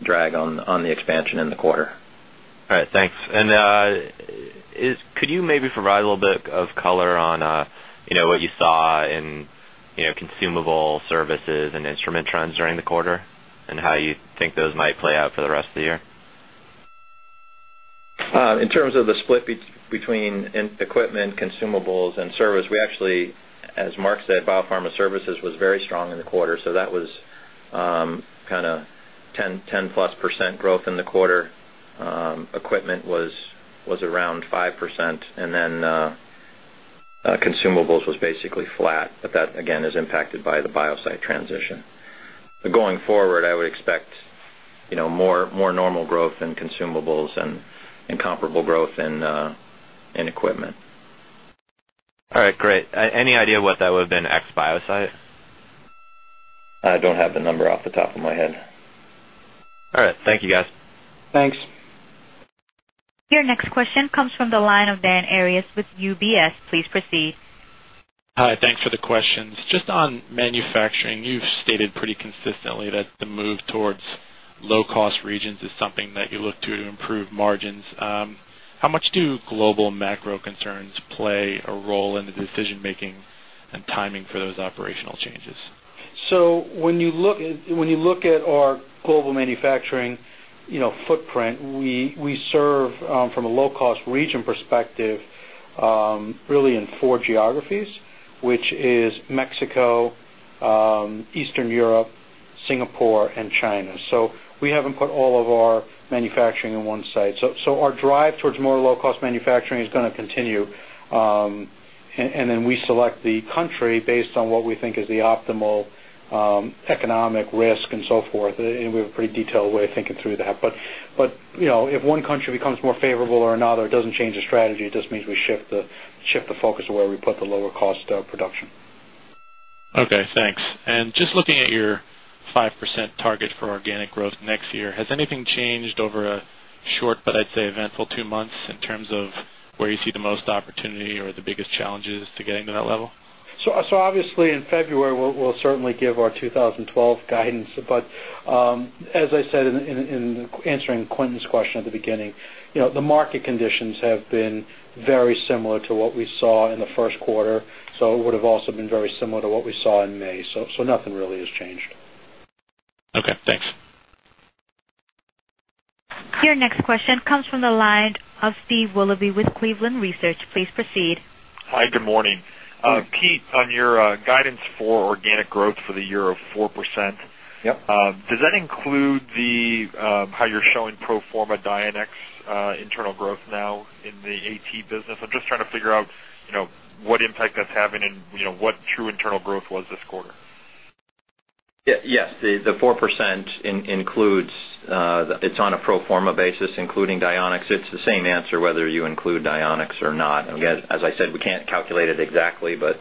drag on the expansion in the quarter. All right, thanks. Could you maybe provide a little bit of color on what you saw in consumable services and instrument trends during the quarter and how you think those might play out for the rest of the year? In terms of the split between equipment, consumables, and service, we actually, as Marc said, biopharma services was very strong in the quarter. That was kind of 10+% growth in the quarter. Equipment was around 5%, and then consumables was basically flat, but that again is impacted by the BioSite transition. Going forward, I would expect more normal growth in consumables and comparable growth in equipment. All right, great. Any idea what that would have been ex-BioSite? I don't have the number off the top of my head. All right, thank you guys. Thanks. Your next question comes from the line of Daniel Arias with UBS. Please proceed. Hi, thanks for the questions. Just on manufacturing, you've stated pretty consistently that the move towards low-cost regions is something that you look to to improve margins. How much do global macro concerns play a role in the decision-making and timing for those operational changes? When you look at our global manufacturing footprint, we serve from a low-cost region perspective really in four geographies, which is Mexico, Eastern Europe, Singapore, and China. We haven't put all of our manufacturing in one site. Our drive towards more low-cost manufacturing is going to continue. We select the country based on what we think is the optimal economic risk and so forth. We have a pretty detailed way of thinking through that. If one country becomes more favorable or another, it doesn't change the strategy. It just means we shift the focus of where we put the lower cost of production. Okay, Thanks. Just looking at your 5% target for organic growth next year, has anything changed over a short, but I'd say eventful two months in terms of where you see the most opportunity or the biggest challenges to getting to that level? Obviously in February, we'll certainly give our 2012 guidance. As I said in answering Quintin's question at the beginning, the market conditions have been very similar to what we saw in the first quarter. It would have also been very similar to what we saw in May. Nothing really has changed. Okay, thanks. Your next question comes from the line of Steve Willoughby with Cleveland Research. Please proceed. Hi, good morning. Pete, on your guidance for organic growth for the year of 4%. Yep. Does that include how you're showing pro forma Dionex internal growth now in the AT business? I'm just trying to figure out, you know, what impact that's having and, you know, what true internal growth was this quarter. Yes, the 4% includes, it's on a pro forma basis, including Dionex. It's the same answer whether you include Dionex or not. As I said, we can't calculate it exactly, but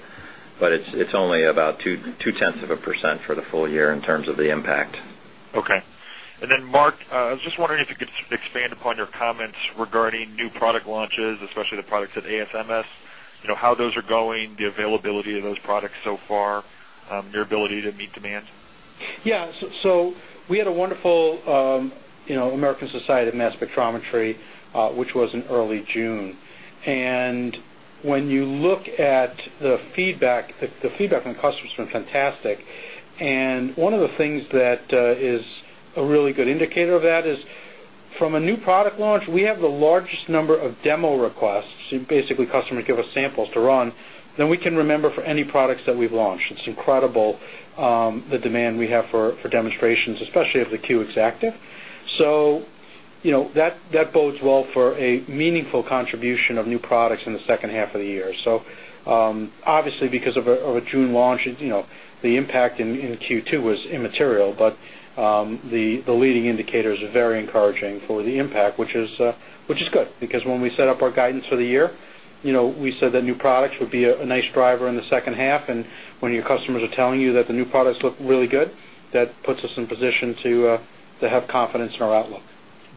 it's only about 0.2% for the full year in terms of the impact. Okay. Marc, I was just wondering if you could expand upon your comments regarding new product launches, especially the products at ASMS. You know, how those are going, the availability of those products so far, your ability to meet demand? Yeah, we had a wonderful, you know, American Society for Mass Spectrometry, which was in early June. When you look at the feedback, the feedback from customers has been fantastic. One of the things that is a really good indicator of that is from a new product launch, we have the largest number of demo requests. Basically, customers give us samples to run than we can remember for any products that we've launched. It's incredible, the demand we have for demonstrations, especially of the Q Exactive. That bodes well for a meaningful contribution of new products in the second half of the year. Obviously, because of a June launch, the impact in Q2 was immaterial, but the leading indicators are very encouraging for the impact, which is good. When we set up our guidance for the year, we said that new products would be a nice driver in the second half. When your customers are telling you that the new products look really good, that puts us in position to have confidence in our outlook.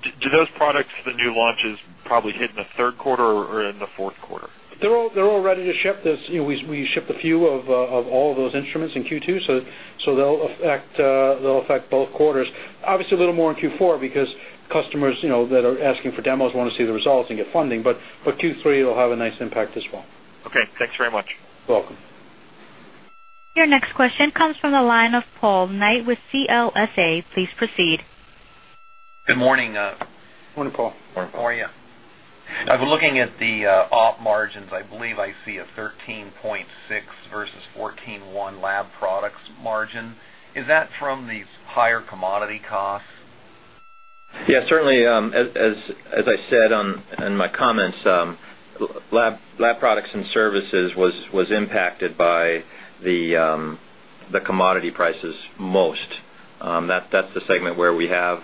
Do those products, the new launches, probably hit in the third quarter or in the fourth quarter? They're all ready to ship. You know, we shipped a few of all of those instruments in Q2, so they'll affect both quarters. Obviously, a little more in Q4 because customers, you know, that are asking for demos want to see the results and get funding. For Q3, it'll have a nice impact as well. Okay, thanks very much. You're welcome. Your next question comes from the line of Paul Knight with CLSA. Please proceed. Good morning. Morning, Paul. How are you? I've been looking at the op margins. I believe I see a 13.6% versus 14.1% lab products margin. Is that from these higher commodity costs? Yeah, certainly. As I said in my comments, lab products and services were impacted by the commodity prices most. That's the segment where we have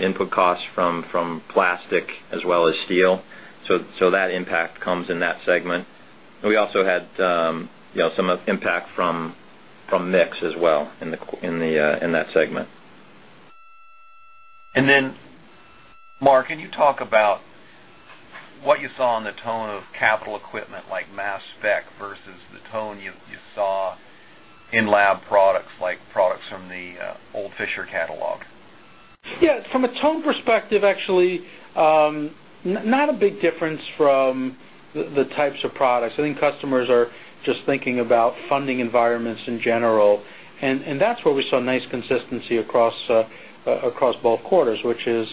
input costs from plastic as well as steel. That impact comes in that segment. We also had some impact from mix as well in that segment. Marc, can you talk about what you saw in the tone of capital equipment like mass spec versus the tone you saw in lab products like products from the old Fisher catalog? Yeah, from a tone perspective, actually, not a big difference from the types of products. I think customers are just thinking about funding environments in general. That's where we saw nice consistency across both quarters, which is,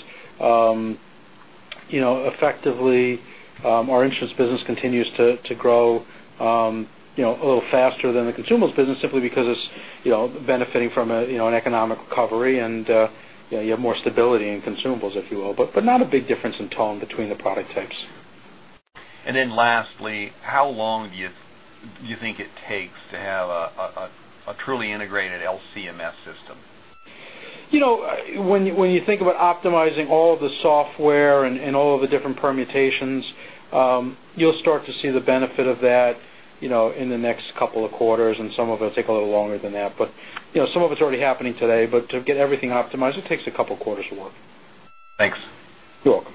you know, effectively, our insurance business continues to grow, you know, a little faster than the consumables business simply because it's, you know, benefiting from an economic recovery, and you have more stability in consumables, if you will. Not a big difference in tone between the product types. How long do you think it takes to have a truly integrated LCMS system? When you think about optimizing all of the software and all of the different permutations, you'll start to see the benefit of that in the next couple of quarters. Some of it will take a little longer than that. Some of it's already happening today. To get everything optimized, it takes a couple of quarters of work. Thanks. You're welcome.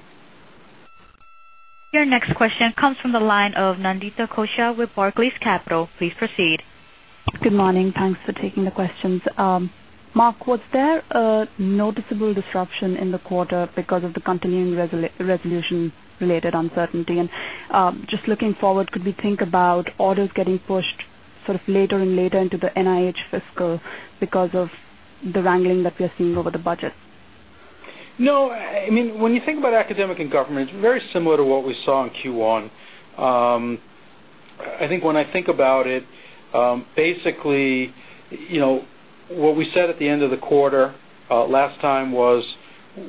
Your next question comes from the line of Nandita Koshal with Barclays Capital. Please proceed. Good morning. Thanks for taking the questions. Marc, was there a noticeable disruption in the quarter because of the continuing resolution-related uncertainty? Just looking forward, could we think about orders getting pushed sort of later and later into the NIH fiscal because of the wrangling that we are seeing over the budget? No, I mean, when you think about academic and government, it's very similar to what we saw in Q1. I think when I think about it, basically, what we said at the end of the quarter last time was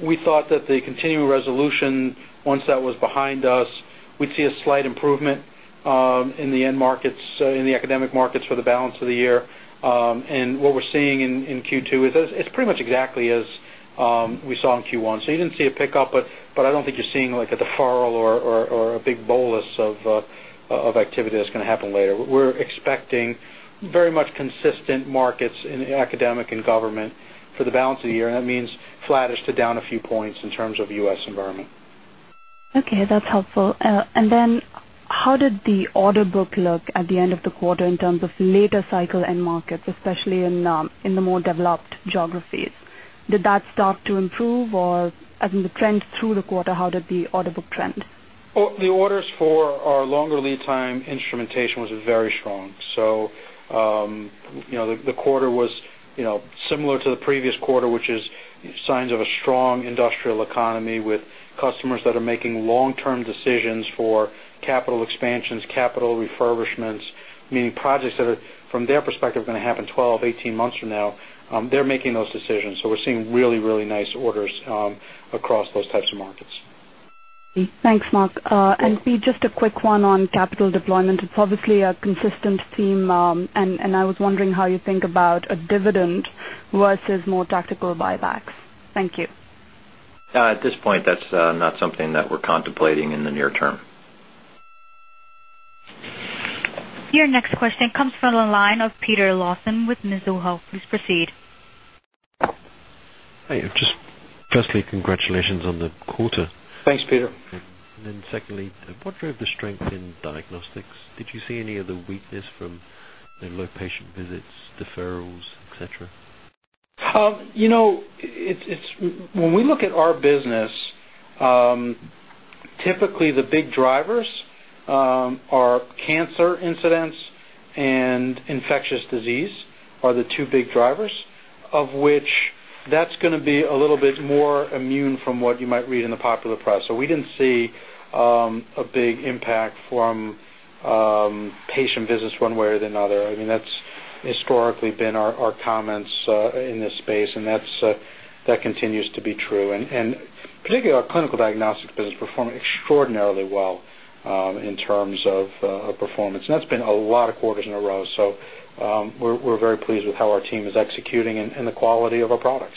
we thought that the continuing resolution, once that was behind us, we'd see a slight improvement in the end markets, in the academic markets for the balance of the year. What we're seeing in Q2 is pretty much exactly as we saw in Q1. You didn't see a pickup, but I don't think you're seeing like a deferral or a big bolus of activity that's going to happen later. We're expecting very much consistent markets in academic and government for the balance of the year. That means flattish to down a few points in terms of the U.S., environment. Okay, that's helpful. How did the order book look at the end of the quarter in terms of later cycle end markets, especially in the more developed geographies? Did that start to improve, or as in the trend through the quarter, how did the order book trend? The orders for our longer lead time instrumentation was very strong. The quarter was similar to the previous quarter, which is signs of a strong industrial economy with customers that are making long-term decisions for capital expansions, capital refurbishments, meaning projects that are, from their perspective, going to happen 12-18 months from now. They're making those decisions. We're seeing really, really nice orders across those types of markets. Thanks, Marc. Pete, just a quick one on capital deployment. It's obviously a consistent theme. I was wondering how you think about a dividend versus more tactical buybacks. Thank you. At this point, that's not something that we're contemplating in the near term. Your next question comes from the line of Peter Lawson with Mizuho. Please proceed. Hi, I'm just asking, congratulations on the quarter. Thanks, Peter. What drove the strength in diagnostics? Did you see any of the weakness from the low patient visits, deferrals, etc.? You know, when we look at our business, typically the big drivers are cancer incidents and infectious disease are the two big drivers, of which that's going to be a little bit more immune from what you might read in the popular press. We didn't see a big impact from patient visits one way or the other. I mean, that's historically been our comments in this space, and that continues to be true. Particularly our clinical diagnostics business performed extraordinarily well in terms of performance. That's been a lot of quarters in a row. We're very pleased with how our team is executing and the quality of our products.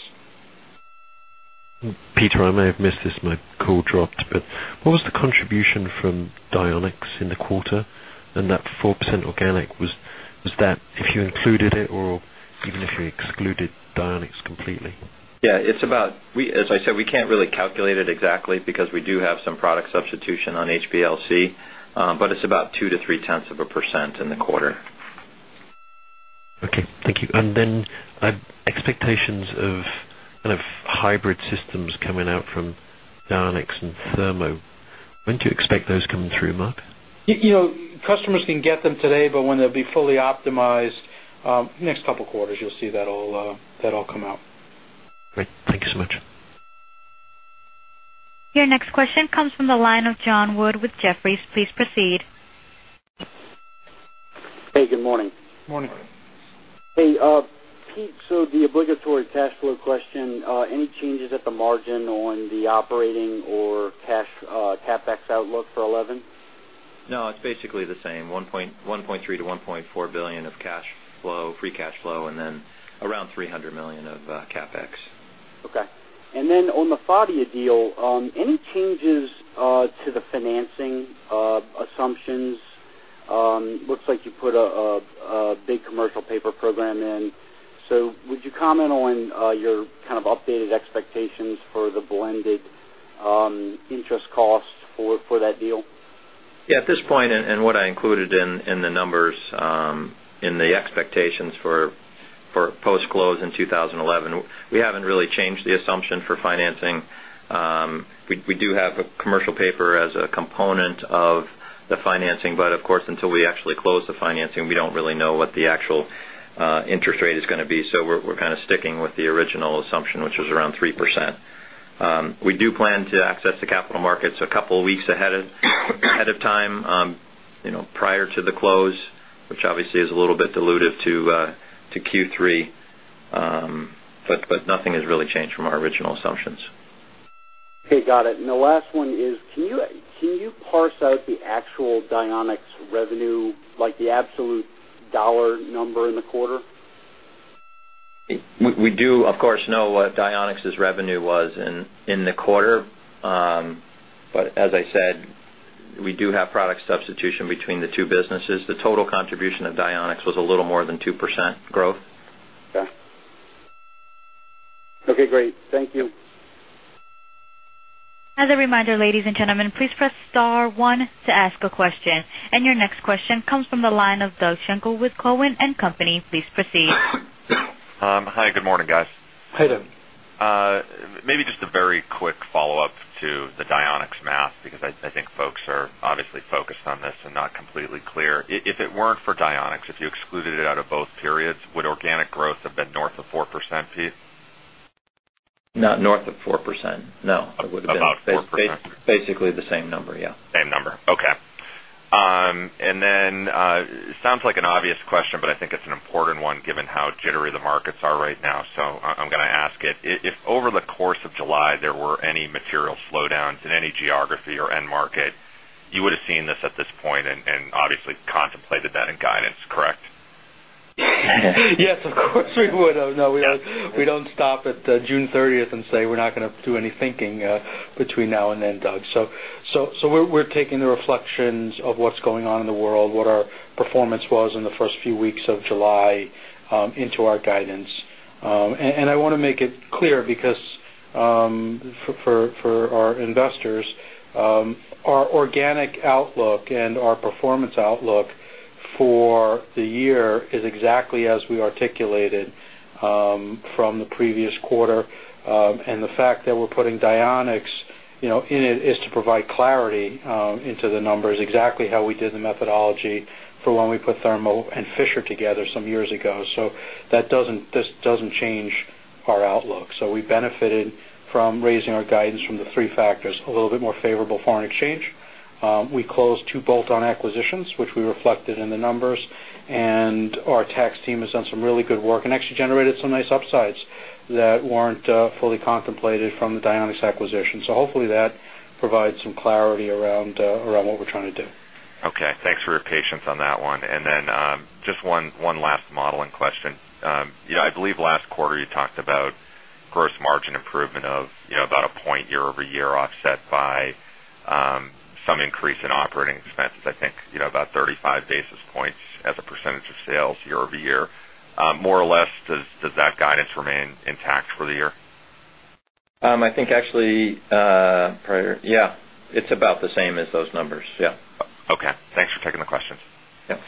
Peter, I may have missed this, my call dropped, but what was the contribution from Dionex in the quarter? That 4% organic, was that if you included it or even if you excluded Dionex completely? Yeah, it's about, as I said, we can't really calculate it exactly because we do have some product substitution on HBLC, but it's about 0.2%-0.3% in the quarter. Okay, thank you. Expectations of kind of hybrid systems coming out from Dionex and Thermo. When do you expect those coming through, Marc? You know, customers can get them today, but when they'll be fully optimized, next couple of quarters, you'll see that all come out. Great, thank you so much. Your next question comes from the line of Jon Woods with Jefferies. Please proceed. Hey, good morning. Morning. Hey, Pete, the obligatory cash flow question, any changes at the margin on the operating or cash CapEx outlook for 2011? No, it's basically the same. $1.3 billion-$1.4 billion of free cash flow, and then around $300 million of CapEx. Okay. On the Phadia deal, any changes to the financing assumptions? It looks like you put a big commercial paper program in. Would you comment on your kind of updated expectations for the blended interest cost for that deal? At this point, and what I included in the numbers in the expectations for post-close in 2011, we haven't really changed the assumption for financing. We do have commercial paper as a component of the financing, but of course, until we actually close the financing, we don't really know what the actual interest rate is going to be. We're kind of sticking with the original assumption, which was around 3%. We do plan to access the capital markets a couple of weeks ahead of time, prior to the close, which obviously is a little bit diluted to Q3. Nothing has really changed from our original assumptions. Okay, got it. The last one is, can you parse out the actual Dionex revenue, like the absolute dollar number in the quarter? We do, of course, know what Dionex's revenue was in the quarter. As I said, we do have product substitution between the two businesses. The total contribution of Dionex was a little more than 2% growth. Okay, great. Thank you. As a reminder, ladies and gentlemen, please press Star. one to ask a question. Your next question comes from the line of Doug Schenkelwith Cowen & Company. Please proceed. Hi, good morning, guys. Hi there. Maybe just a very quick follow-up to the Dionex math because I think folks are obviously focused on this and not completely clear. If it weren't for Dionex, if you excluded it out of both periods, would organic growth have been north of 4%, Pete? Not north of 4%, no. It would have been about 4%. About 4%. Basically the same number, yeah. Same number, okay. It sounds like an obvious question, but I think it's an important one given how jittery the markets are right now. I'm going to ask it. If over the course of July there were any material slowdowns in any geography or end market, you would have seen this at this point and obviously contemplated that in guidance, correct? Yes, of course we would have. No, we don't stop at June 30th and say we're not going to do any thinking between now and then, Doug. We're taking the reflections of what's going on in the world, what our performance was in the first few weeks of July into our guidance. I want to make it clear because for our investors, our organic outlook and our performance outlook for the year is exactly as we articulated from the previous quarter. The fact that we're putting Dionex in it is to provide clarity into the numbers, exactly how we did the methodology for when we put Thermo and Fisher together some years ago. That doesn't change our outlook. We benefited from raising our guidance from the three factors, a little bit more favorable foreign exchange. We closed two bolt-on acquisitions, which we reflected in the numbers. Our tax team has done some really good work and actually generated some nice upsides that weren't fully contemplated from the Dionex acquisition. Hopefully that provides some clarity around what we're trying to do. Okay, thanks for your patience on that one. Just one last modeling question. I believe last quarter you talked about gross margin improvement of about a point year-over-year, offset by some increase in operating expenses, I think about 35 basis points as a percentage of sales year-over-year. More or less, does that guidance remain intact for the year? I think actually, yeah, it's about the same as those numbers. Okay, thanks for taking the questions. Yep.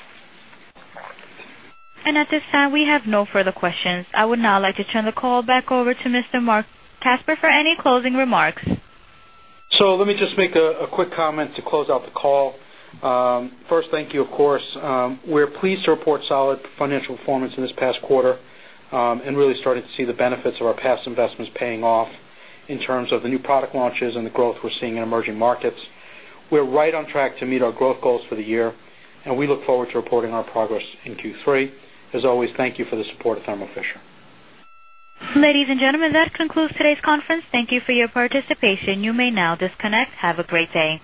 At this time, we have no further questions. I would now like to turn the call back over to Mr. Marc Casper for any closing remarks. Let me just make a quick comment to close out the call. First, thank you, of course. We're pleased to report solid financial performance in this past quarter and really starting to see the benefits of our past investments paying off in terms of the new product launches and the growth we're seeing in emerging markets. We're right on track to meet our growth goals for the year, and we look forward to reporting our progress in Q3. As always, thank you for the support of Thermo Fisher Scientific. Ladies and gentlemen, that concludes today's conference. Thank you for your participation. You may now disconnect. Have a great day.